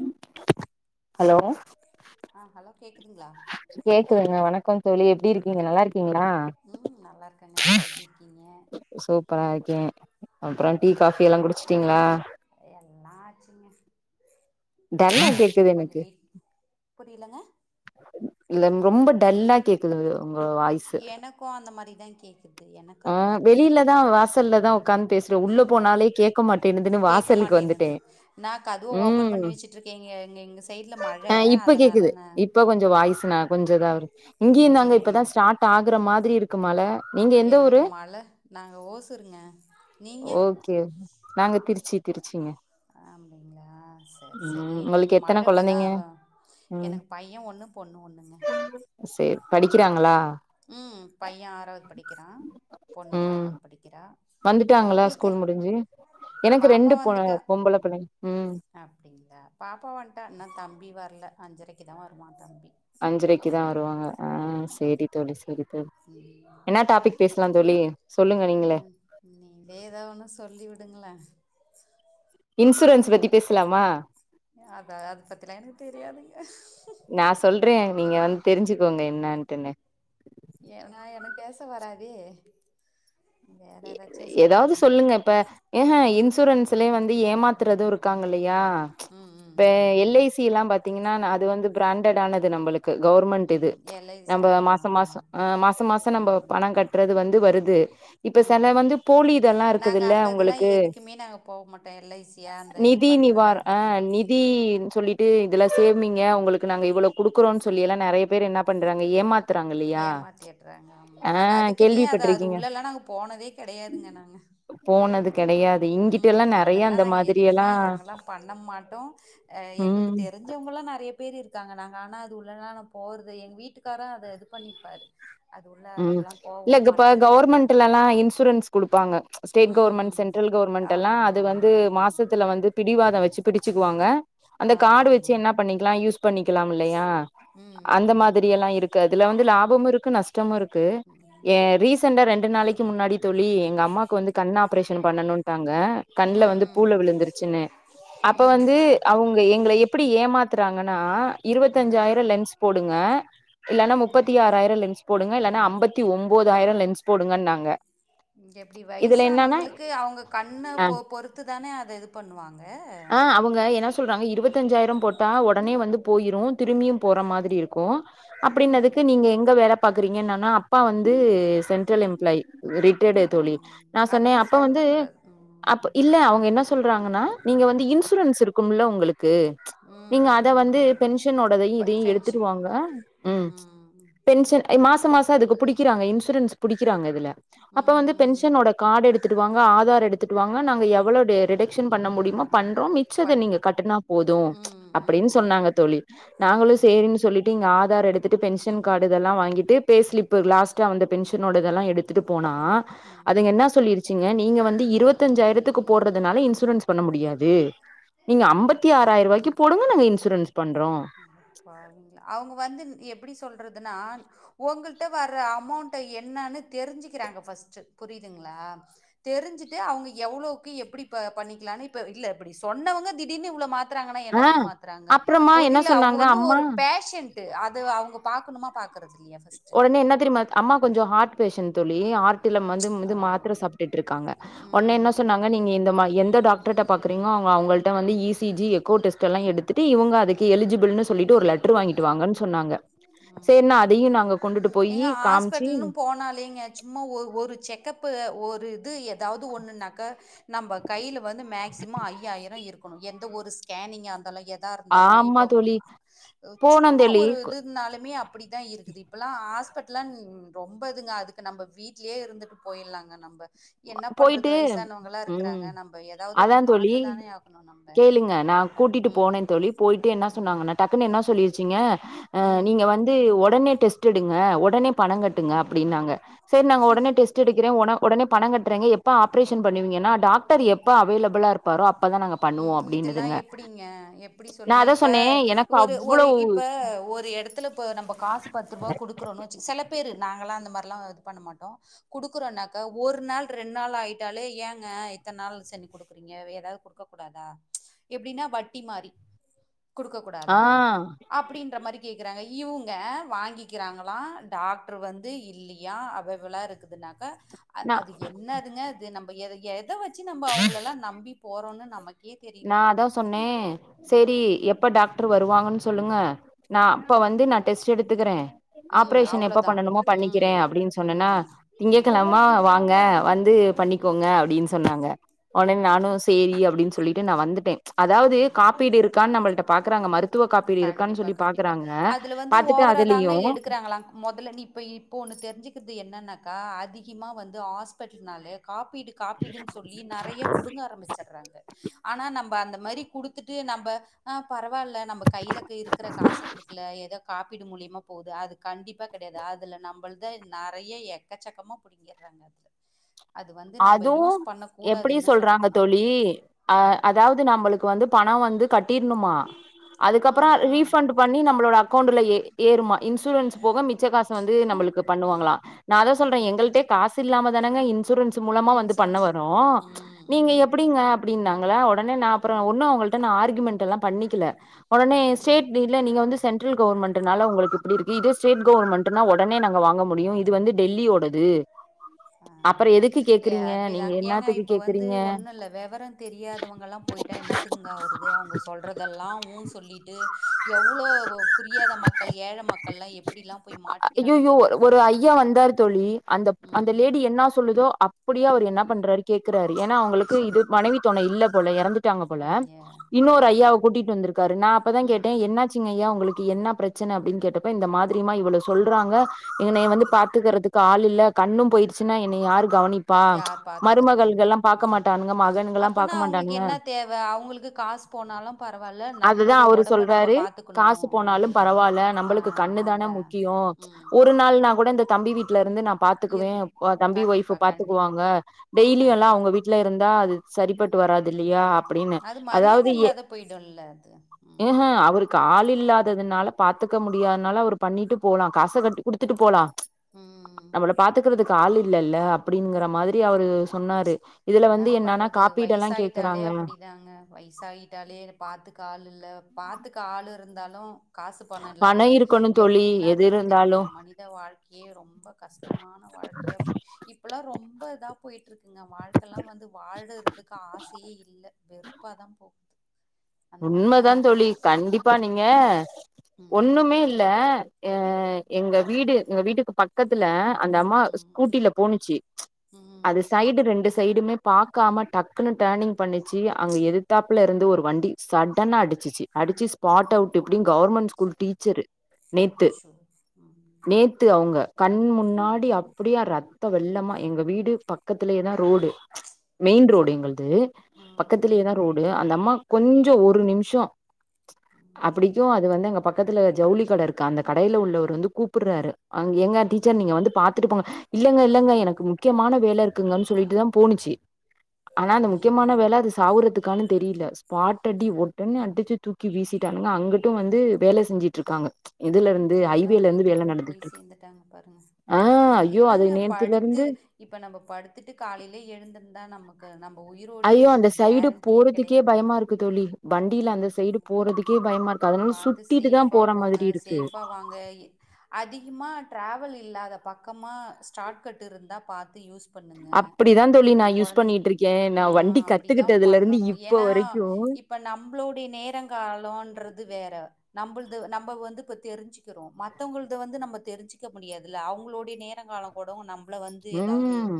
உம் hello ஆ hello கேக்குதுங்களா கேக்குதுங்க வணக்கம் தோழி எப்டி இருக்கிங்க நல்லா இருக் ங்களா ம் நல்லா இருக்கேங்க நீங்க எப்டி இருக்கீங்க சூப்பரா இருக்கேன் அப்புறம் டீ காபி எல்லாம் குடிச்சட்டீங்களா எல்லா ஆச்சுங்க பைய டல்லா வர்றதுக்கு கேக்குது கொஞ்சோ எனக்கு வெயிட் புரியலங்க இ ரொம்ப டல்லா கேக்குதுங்க எனக்கும் அந்த மாதிரி [unintelligible] ஆஹ் வெளியிலதான் வாசல்லதான் உட்காந்து பேசுறேன் உள்ள போனாலே கேட்க மாட்டேன்னுதுன்னு கேக்க வாசலுக்கு மாட்டேனுது வந்துட்டேன் நா கதவ ஓப்பன் உம் பண்ணி வச்சுட்டு இருக்கே எங்க எங்க எங்க சைட்ல மழ ஆஹ் இப்ப கேக்குது அதனால நா இப்ப கொஞ்ச வாய்ஸ்னா கொஞ்சம்தாவ இரு இங்கயுந்தாங்க இப்பதான் கேக்குதுங்களா ஸ்டார்ட் ஆகுற மாதிரி எப்டி இருக்கு மழ நீங்க எந்த ஊரு எங்களுக்கு மழ நாங்க ஓசுருங்க நீங்க ஓகே நாங்க திருச்சி திருச்சிங்க அப்படிங்களா சரி சரி ம் எங்களுக்கு உங்களுக்கு எத்தன மழை இப்போ கொழந்தைங்க தான் ம் எனக்கு பையன் ஒன்னு பொண்ணு ஒன்னுங்க சேரி படிக்கிறாங்களா உம் பையன் ஆறாவது படிக்கிறான் பொண்ணு ம் மூணாவது படிக்கிறா வந்துட்டாங்களா உங்களுக்கு ஸ்கூல் முடிஞ்சு எனக்கு பாப்பா ரெண்டு பொ வந்துட்டா பொம்பள பிள்ளைங்க ம் அப்படிங்களா பாப்பா வன்ட்டா இன்னும் தம்பி வரல அஞ்சரைக்கு தான் வருமா தம்பி அஞ்சரைக்கு தான் வருவாங்க ஆஹ் ஆமா சரி தோழி சரி தோழி என்ன டாபிக் பேசலாம் தோழி சொல்லுங்க நீங்களே ம் நீங்களே ஏதா ஒன்னு சொல்லி விடுங்களே இன்சூரன்ஸ் பத்தி பேசலாமா அதான் அத பத்திலாம் எனக்கு தெரியதுங்க இருக்கங்க என்னன்ட்டுனே ஏ நான எனக் பேச வராதே வேற ஏதாச்சு ஏதாவது சொல்லுங்களே சொல்லுங்க இப்ப ஆஹா இன்ஸ் இன்சூரன்ஸ்லே வந்து ஏமாத்றதும் இருக்காங்கலே யா ம் ம் இப்ப ம் ம் எல்ஐசி ல்லாம் பாத்தீங்கன்னா அது வந்து பிராண்டட் ஆனது நம்பளுக் க்கு கவுர்மெண்ட் இது ம் எல்ஐசி நம்ப ஆமா ஆமா மாசாமாசம் மாசாமாசம் நம்ப ம் பணம் கட்றது வந் வருது இப்ப ம் சல ம் வந்து போலி இதெல்லா நாங்க இருக்குதுல்ல அந்த இதெல்லா உங்ளுக்கு எதுக்குமே நாங்க போக மாட்டோ எல் ஐ சி யா அந்த இது நிதி பண்றது நிவார் ஆ அதெல்லா நிதின் சொல்லிட்டு இதுல சேமிங்க உங்களுக்கு நாங்க இவ்வளோ குடுக்குறோ சொல்லி எல்லா நெறைய பேர் என்ன பண்றாங்க ஏமாத் ஏமாத்திட்றாங்க ஆமா நாங்க அதுக்குன்னே அத அது கேள்விப்பட்டிருக்கீங்க உள்ளலா போனதே கெடையாதுங்க நாங்க போனது கெடையாது இங்கிட்ட ம்ஹூம் எல்லா நெறைய அதெல்லா அந்த நாங்க மாதிரி எதுவுமே எல்லா நாங்கல்லா பண்ண மாட்டோம் அ ம் எங்களுக்கு தெரிஞ்சவங்கல்லாம் நறைய பேர் இருக்காங்க நாங்க ஆனா அது உள்ளல்லாம் போறது எங்க வீட்டுக்கார அத இது பண்ணிப்பாரு அது உள்ள ம் அவர்லா போகவு இல்லக்கப்ப மாட்டாரு அது கவர்மெண்ட்லல்லா இன்சூரன்ஸ் குடுப்பாங்க ஸ்டேட் ம் கவர்மெண்ட் ம் சென்ட்ரல் கவர்மெண்ட் எல்லா ஆமா ஆமா அது வந்து ஆமா ம் மாசத்துல வந்து பிடிவாதம் வச்சு பிடிச்சுக்குவாங்க அந்த ஆமா ஆமா கார்டு வச்சு ஆமா என்ன பண்ணிக்கலா இப் பண்ணிக்கலாம் இல்லையா ம் அந்த மாதிரி ம் எல்லா இருக்கு அதுல வந்து லாபமும் இருக்கு நஷ் டமும் இருக் க்கு ம் ம் ஏன் ரீசான்டா ரெண்டு நாளைக்கு முன்னாடி தோழி எங்க அம்மாக்கு வந்து கண் ஆப்ரேஷன் பண்ணணுன்ட்டாங்க ம் கண்ல வந்து ம் பூல விழுந்துருச்சுன்னு அப்ப ம் வந்து அவங்க எங்களை எப்டி ஏமாத் த்துறாங்கன்னா ம் இருவத்தஞ்சாயிர லென்ஸ் போடுங்க இல்லனா ம் முப்பத்தி ம் ஆறாயிரம் லென்ஸ் போடுங்க இல்லன்னா அம்பத்தி ஒம்போதாயரம் லென்ஸ் போடுங்கன்னாங்க எப்டி இதுல என்னன்னா வய்ஸ்சானவங்களுக்கு அவங்க கண்ண அ பொ பொறுத்துதானே அத இது பண்ணுவாங் ஆ அவங்க என்ன சொ சொல்றாங்க இருவத்தஞ்சாயிரம் போட்டா உடனே வந்து போயிரு திரும்பியு போற மாதிரி இருக்கு அப்டினதுக்கு நீங்க எங்க வேல பாக்குறீங்க நன்னா அப்பா வந்து சென்ட்ரல் எம்ப்ளாயி ரிட்டேர்டு தோழி ம் நா சொன்னே அதெல்லா அப்ப வந்து சொல்லக்கூடாது ம் அப் இல்ல அவங்க என்ன சொ சொல்றாங்கன்னா நீங்க வந்து இன்சூரன்ஸ் இருக்கும்ல உங்ளுக்கு ம் நீங்க அத ம் வந்து ம் பென்ஷனோடதையு இப்ப இதையு டென்ஷன் எடுத்துட்டுவாங்க ம் பென்ஷன் மாச பத்து மாச அதுக்கு புடிக்கிறாங்க இன்சூரன்ஸ் புடிக்றாங்க இதுல அப்ப ம் வந்து ம் பென்ஷனோட கார்டு எடுத்துட் டுவாங்க ஆதார் எடுத்துட்டு வாங்க நாங்க எவ்வளோ ரிடக்ஷன் பண்ண முடியு பண்றோம் மிச்சத பண் நீங்க கட்டுனா போதும் ம் ம் அப்டினு ம் சொன்னாங்க தோழி நாங்களு ம் சேரின்னு சொல்லிட்டு இங்க ஆதார் எடுத்துட்டு பென்ஷன் கார்ட் இது எல்லா வாங்கிட்டு பே ஸ்லீப் லாஸ்ட்டா வந்துட்டு பென்ஷனோடதெல்லா எடுத்துட்டு போனா எடுத்து அதுங்க ம் என்ன சொல்லிருச்சிங்க நீங்க வந் து இருபத்தஞ்சாயிரத்துக்கு போட்றதுனால இன்சூரன்ஸ் பண்ண முடியாது நீங்க ஐம்பத்தி ஆறாயிரம் ரூபாய்க்கு போடுங்க நாங்க இன்சூரன்ஸ் பண்றோ ன்றதுனா உங்கள்ட்ட வர அமௌண்ட என்னனு தெரிஞ்சுக்கிறாங்க ஃபர்ஸ்ட் புரியுதுங்களா தெரிஞ்சுட்டு அவங்க எவ்ளோக்கு எ எப்டி பண்ணிக்கலாம்னு இப்ப இல்ல இப்டி சொன்னவங்க திடீனு உள்ள மாத்த மாத்றாங்கன்னா ஆ என்னத்துக்கு மாத்துறாங்க அப்புறமா என்ன இல்ல அவங்க சொன்னாங்க வந்து அம்மா ஒரு ஃபேஷன் அது அவுங்க பாக்கணுமா பாக்குறது உடனே என்ன தெரியுமா அம்மா கொஞ்சம் ஹார்ட் பேஷன் தோழி ஹார்ட் ல வந்து வந்து மாத்திர சாப்பிட்டுட்டு இருக்காங்க ஒன்ன என்ன ம் சொன்னாங்க நீங்க இந்த எந்த டாக்டர் பாக்குறங்க அவங்கள்ட வந்து E C G echo test எல்லாம் எடுத்துட்டு இவங்க அதுக்குஎலிஜிபிள்னு சொல்லிட்டு ஒரு லெட்டர் வாங்கிட்டு வாங்கன்னு சொன்னாங்க சரின நாங்க எங்க ஹாஸ்பிட்டல்ன்னும் போனாலிங்க சும்மா ஒரு செக்கப்பு ஒரு இது ஏதாவது ஒண்ணுனாக்க நம்ம கையில வந்து மேக்சிமம் ஐயாயிரம் இருக்கணும் எந்த ஒரு ஸ்கேனிங் இருந்தாலும் எ இருந்தாலும் ஆமா இப்ப தோழி போனோ சும்மா தோழி ஒரு இது இருந்தாலுமே அப்படித்தான் இருக்குது இப்ப ஹாஸ்பிட்லாம் ரொம்ப இதுங்க அதுக்கு நம்ம வீட்லயே இருந்துட்டு போயிடலாங்க நம்ப என்ன பண்றது போயிட்டு வயசானவங்களா உம் இருக்கிறாங்க. நம்ம ஏதாவது ஒண்ணு அதான் தோழி பார்த்து தானே ஆகணும் நம்ப. கேளுங்க ம். நா கூட்டிட்டு ம். போனேன்னு தோழி போயிட்டு என்ன ம். சொன்னாங்க நா டக்குன்னு என்ன சொல்லிருச்சிங்க அஹ் ம். நீங்க வந்து உடனே டெஸ்ட் எடுங்க உடனே பணம் கட்டுங்க அப்படின்னாங்க சரி நா உடனே டெஸ்ட் எடுக்றேன் உடனே பணம் கட்டுறங்க எப்ப ஆப்ரேஷன் பண்ணுவீங்கன்னா டாக்டர் எப்ப அவைலபிளா இரு ப்பாரோ உம் இதெல்லாம் எப்படிங்க எப்படி நா சொல்லுங்க அதா இப்ப சொன்னே எனக்கு ஒரு ஒரு அவ்ளோ இப்ப ஒரு இடத்துல இப்ப நம்ம காசு பத்து ரூபாய் குடுக்கறோம்ன்னு வச்சு சில பேரு நாங்களாம் அந்த மாதிரிலா இது பண்ண மாட்டோம் கொடுக்கோனாக்க ஒரு நாள் ரெண்டு நாள் ஆயிட்டாலே ஏங்க இத்தனை நாள் செ கொடுக்குறீங்க ஏதாவதுடு இருக்க கூடாதா எப்படின்னா வட்டி மாறி கொடுக்க ஆ கூடாதா அப்படின்ற மாிக்கே ங்க இவங்க வாங்கிக்கிறாங்களாம் டாக்டர் வந்து இல்லையா அவைபளா இருக்குது க்கா நா அது என்னதுங்க இது நம்ம பய ய ஏதாவச்ச சு நம்ம அவங்க எல்லாம் நம்பி போறோன்னு நமக் நா அதா சொன்னே ம் சேரி எப்ப டாக்டர் வருவாங்கன்னு சொல்லுங்க நா அப்ப வந்து நா டெஸ்ட்டு எடுத்துக்குறே ம் ஆப்ரேஷ எப்போ அவ்ளோதான் பண்ணணுமோ பண்ணிக்கிறே ம் அப்டின்னு சொன்னன்னா ம் திங்க ம் கிழம வாங்க வந்து ம் பண்ணிக்கோங்க அப்டின்னு சொன்னாங்க ஒடனே நானு ம் சேரி அப்டின்னு சொ புல்லிட்டு நா வந்துட்டே அதாவது ம் ம் காப்பீடு இருக்கான் நம்பள்ட்ட பாகறாங்க மருத்துவ காப் கண்டிப்பா கண்டிப்பா அதுல வந்து பாத்துட்டு ஓவராதாங்க அதுலயு எடுக்கறாங்ளா மொதல்ல நீ இப்ப இப்ப ஒன்னு தெரிஞ்சுக்குது என் என்னன்னக்கா அதிகமா வந்து ஹாஸ்பிட்டல்னாலே காப்பீடு காப்பீடுன்னு சொல்லி நறைய புடுங்க ஆரம்மிச்சர்றாங்க ஆனா நம் அந்த மாதிரி குடுத்துட்டு நம்ப பரவால்ல கையிலக்கு இருக்கற காசு குடுக்கல எதோக் காப்பீடு மூலியமா போதா அது கண்டிப்பா கெடையாது அதுல நம்புள்தா நறைய எக்கச்சக்கமா புடிங்கிர்றாங்க அதுல அது வந்து நம்ம யூஸ் அதுவும் பண்ண எப்பிடி கூடாதுன்னு சொல்றாங்க சொல்லப்போனா தோழி அ ம் அதாவது நம்மளுக்கு வந்து பணோ வந்து கட்டிர்ணுமா அதுக்கப்புறோ ஆஹா ரீஃபண்ட் பண்ணி நம்மளோட அக்கௌண்டுல ஏ ஏறுமா இன்சூரன்ஸ் போக மிச்ச காசு வந்து நம்மளுக்கு பண்ணுவாங்களா நா அதா சொல்றே ஆ எங்கள்ட்டே காசு இல்லாம தனுங்க இன்சூரன்ஸ் து மூலமா வந்து பண்ண இன்சூரன்ஸ் வரு ம் நீங்க ம் எப்பிடிங்க அப்டினாங்களா ஒடனே நா ஆ அப்புறோ உன்னு அவங்கள்ட நா ஆர்குமெண்ட்டெல்லா பண்ணிக்கல ஆ உடனே ஸ்டேட் [unintelligible] நீங்க வந்து சென்ட்ரல் கவர்மெண்ட்னால உங்களுக்கு இப்டி இருக்கு இதே ஸ்டேட் கவர்மெண்ட்னா ஒடனே நாங்க வாங்க முடியு இது வந்து டெல்லியோடது ஆ அப்பற எதுக்கு ஏ கேக்குறீங்க அப்டிதா நீங்க ஏங்க என்னாத்துக்கு இப்ப வந்து கேக்குறீங்க ஒண்ணு இல்ல வேவர தெரியாதவங்க எல்லா போயிட்டா என்னத்துக்குங்கா அவுரது அவுங்க சொல்றதெல்லா ம் சொல்லிட்டு எவ்வளோ புரியாத மக்கள் ஏழ மக்கள் எல்லா எப்டி எல்லா போய் மாட்டிக்கிறாங்க தெரியுங்களா ப்டி அந்தப் அந்த ம் லேடி என்னா சொல்லுதோ அப் அப்டியே அவ்ரு என்ன பண்றாரு கேக் ஏன்னா அவுங்களுக்கு ச்ச இது மனவி தோன இல்ல போல இறந்து போய்ட்டாங்க போல ஐய இன்னொரு ம் ம் ஐயாவ கூட்டிட்டு வந்திருக்கரு நா அப்பதா கேட்டே ம் என்னாச்சிங்க ஐயா உங்களுக்கு என்னா ப்ரச்சன அப்டின் கேட்டப்ப இந்த மாத்ரியமா இவ்வளோ சொல்றாங்க இங்க நீ வந்து ம் பாத்துக்கிறதுக்கு ஆள் இல்ல கண்ணும் போயிடுச்சுனா என் யார் கவனிக்க ப்பா யார் பாத்துக்கிறது மருமகள்கள் எல்லாம் பார்க்க ம் மாட்டானுங்க மகன்கள் எல்லாம் அப்பனா பாக்க அவங்களுக்கு மாட்டானுங்க என்ன தேவ அவங்களுக்கு காசு போனாலு பரவால்ல அதுதான் நம்மளுடைய அவரு ஒடம்ப நம்ம சொல்றாரு பாத்துக்கணு காசு போனாலும் பரவாயில்ல ஆ நம்மளுக்கு கண்ணு தானே அதா முக்கியம் ம் ஒரு ம் நாள்னா கூட இந்த தம்பி வீ ட்ல இருந்து நா இரு பாத்துக்குவேன் தம்பி ஒய்ஃப் கண்டிப்பா பா கண்டிப்பா த்துக்குவாங்க டெய்லி எல்லாம் கண்டிப்பா அவங்க வீட்டுல இருந்தா அது சரிபட்டு வராது இல்லையா ம் அப்படின்னு அது மரியாத அதாவது ஏ இல்லாத போயிடுல்ல அது ஏ ம் அவருக்கு ஆல்யில்லா இல்லாததுனால பாத்துக்க முடியாததுனால அவர் பண்ணிட்டு போலாம் காச கட்டி குடுத்துட்டு போலாம் ம் நம்மள பாத்துக்கறதுக்கு கால் இல்லல்ல அ அப்படிங்கிற மாரி அவரு சொன்னாரு இதுல வந்து என்னங்க என்னன்னா பண்றது காப்பீடெல்லா வயசாயிட்டாலே கேக்குறாங்க அப்படிதாங்க வயசாகிட்டாலே பார்த்துக்க ஆள் இல்ல அ பாத்துக்க ஆளு இருந்தாலும் காசு பணம் இல்லாத பணோ இருக்கணு தோழி எப்படிலாம் எது இருக்கு தெரியுமா இருந்தாலு மனித வாழ்க்கையே ரொம்ப கஷ்டமான வாழ்க்கையா போச்சு இப்பல்லாம் ரொம்ப ரொம்ப இதான் போயிட்டு இருக்குங்கம்மா எல்லா இப்பல்லாம் வந்து வாழறதுக்கு ஆசையே இல்ல வெறுப்பாதா போகுது அந்த மாதிரிதான் உண்மைதா ஆயிட்டு தோழி இருக்கு இப்ப. கண்டிப்பா நீங்க ம் ம் ஒண்ணுமே இல்ல அஹ் ம் எங்க வீடு எங்க வீட்டுக்கு பக்கத்துல அந்த அம்மா ம் ஸ்கூட்டில போணுச்சு அது ம் சைடு ரெண்டு சைடுமே பாார்க்காம டக்குனு டர்னிங் பண்ணிச்சு அங்க எதிர்த்தாப்புல இருந்த ஒரு வண்டி சடன அடிச்சிச்சு அடிச்சு ஸ்பாட் அவுட் இப்படி கவர்மெண்ட் ச்ச. ஸ்கூல் டீச்சர் நேத்து அச்சோ ம் நேத்து அவங்க கண் முன்னாடி ம் அப்படியா ரத்த ஐயோ. வெள்ளமா எங்க வீடு ப பக்கத்துத்திலியேதா ரோடு மெயின் ச ரோடு எங்களது ம் பக்கத்திலேயேதா ம் ரோடு அந்த அம்மா ம் கொஞ்சம் நிமிஷம் அப்படிக்கும் அது வந்து எங்க பக்கத்துல ஜவுளி கடை இருக்கு அந்த கடையில உள்ளவ வந்து கூப்பிடுறாரு அ எங்க ஆ ம் டீச்சர் ம் நீங்க வந்து பாத்துட்டு போங்க இல்லங்க இல்லங்க எனக்கு முக்கியமான வேலை இருக்குங்கன்னு சொல்லிட்டுதா போணுச்சு ஆனா அந்த ஐயோ முக்கியமான வேலை அது சாவுரத்துக்கு [unintelligible] தெரியல ஸ்பாட் அடி ஒட்டனன்ன அடிச் தூக்கி வீசிட்டானுங்க அங்கட்டும் வந்து வேலை செஞ்சுட்டு இருக்காங்க இதுல இருந்து என்ன ஹைவேல இருந்து வேல விதியோ போய் நடந்துட்டு இருக்கு சேர்ந்துட்டாங்க பாருங்க ஆ ஐயோ அது இதுதாங்க நேத்துல படுத்து இருந்து இப்ப நம்ம படுத்துட்டு காலையிலயே எழுந்தம்னா நமக் க நமக் ஐயோ அந்த சைடு போறதுக்கே கெடையாதுங்க பயமா இருக்கு தோழி வண்டியில அந்த சைடு போறதுக்கே பயமா இருக்கு அதனால பாத்து சுத்திட்டுதா சேஃபா போற போங்க மாதிரி இருக்கு சேஃபா வாங்க அதிகமா டிராவ டிராவல் இல்லாத பக்கமா சார்ட் கட் இருந்தா பாத்து யூஸ் பண்ணுங்க அப்டிதா தோழி நா யூஸ் கொழந்தைங்க பண்ணிட்ருக்கே நா வண்டி ஆஹ் அப்டிதா கத்துக்கிட்டதுலருந்து பண்ணணு இப்ப ஏன்னா வரைக்கு இப்ப நம்மளோடைய நேரங்காலங்ன்றது வேற நம்மலுது நம்ம வந்து கத் தெரிஞ்சுக்கிறோ மத்தவங்கள்து வந்து நம்ம தெரிஞ்சுக்க முடியாதுல்ல அவ்ங்களுடய நேரங்காலம் கூட நம்ம உம்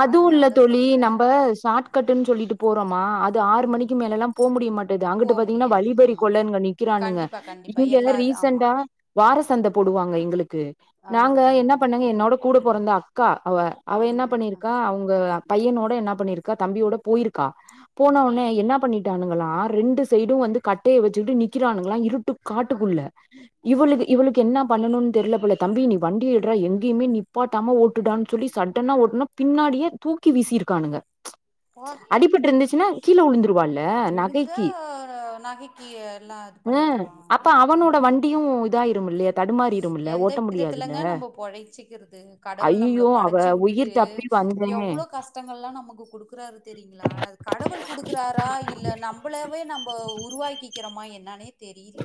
அதுவு இல்ல அதனால தோழி சொல்றேன். நம்ம ஷார்ட்கட்டுன்னு சொல்லிட்டு போறோமா அது ஆறு மணிக்கு ம். மேல எல்லா போ முடிய மாட்டேங்குது போ அங்கட்டு பாத்தீங்கன்னா முடியாது. வழிபறி ம். கொள்ளையனுக நிக்கிறானுங்க கண்டிப்பா, கண்டிப்பா. இங்க எல்லா இது ரிஸ் ஆமா. செண்டா வார சந்த போடுவாங்க எங்ளுக் கு ஆ, நாங்க என்ன பண்ணங்க என்னோட கூட பொறந்த அக் கா அவ ஆ, ஆ, அவள் என்ன ஆ, ஆ, பண்ணியிருக்கா அவ்ங்க பையனோட என்ன பண்ணிருக்கா தம்பியோட போய்ருக்கா ஆ. போன உடனே என்ன பண்ணிட்டானுங்களா ரெண்டு சைடும் வந்து கட்டைய வச்சுகிட்டு நிக்கிறானுங்களா இருட்டு அப்பா! காட்டுக்குள்ள இவ்ளுக் இவ்ளுக்கு என்னா பண்ணணும்னு தெரியில போல தம்பி நீ வண்டி எட்றா எங்கியுமே நிப்பாட்டாம ஓட் டான்னு சொல்லி சடனா ஓட்னா பின்னாடியே தூக்கி வீசிருக்கானுங்க அடிபட்டு இருந்துச்சுன்னா கீழே விழுந்துருவால்ல விழுந்தா நகைக்கு நகைக்கி எல்லா இது ம் பண்ணிக்கலா [inaudible] அப்ப அவனோட வண்டியும் இதாயிரும் இல்லையா தடுமாறிரும் இல்ல எந்த ஓட்ட முடியாதுல்ல விதத்துலேங்க நம்ம பொழைச்சிக்கிற கடவுள் நம்ம ஐயோ அவ படைச்சி விட்டுட்டு உயிர் தப்பி வந்தேனே எவ்வளோ கஷ்டோ எல்லா நமக்கு குடு றாரு தெரியுங்களா கடவுள் குடுக்கறாரா இல்ல நம்மளவே நம்ம உருவாக்கிக்கிறமா என்னானே தெரியில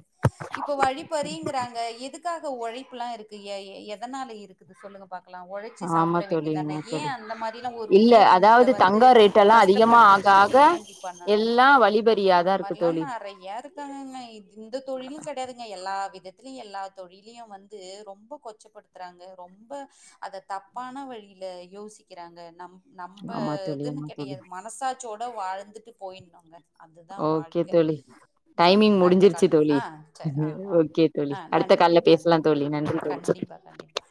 இப்ப வழிபறிங்கறாங்க எதுக்காக க உழைப்புலா இருக்கு எ எ எதனால இருக்குது சொல்லுங்க பாக்கலா உழைச்சி ஆமா சாப்ட தோழி வேண்டியதான ஆமா தோழி ஏன் அந்த மாரிலா ஒரு இல்ல உயிரினத்த அதாவது வந்து தங்க ரேட் எல்லாம் அதிகமா ஆக கஷ்டப்படுத்திட்டு ஆக நம்ம ஏ அப்டி பண்ணணு எல்லாம் அந்த வழிபறியாதான் மாரி இருக்கு எல்லா தோழி நறைய இருக்காங்கங்க இந்த தொழிலு கெடையாதுங்க எல் லா விதத்திலயு எல்லா தொழிலையு வந்து ரொம்ப கொச்சப்படுத்துறாங்க ரொம்ப அத தப்பான வழியில யோசிக்கிறாங்க நம் நம்ப ஆமா தோழி இதுன்னு ஆமா தோழி கெடையாது மனசாட் சியோட வாழ்ந்துட்டு போய்ணுங்க அதுதா ஓகே வாழ்க்க தோழி உம் டைமிங் அடுத்த முடிஞ்சிருச்சு கால் தோழி ஆஹ் செரி ஆ ஆ ஓகே தோழி ஆஹ் அடுத்த கால்ல நன்றிங்க பேசலா நன்றி தோழி நன்றி தோழி கண்டிப்பா கண்டிப்பா